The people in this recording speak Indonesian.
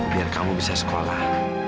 biar kamu bisa sekolah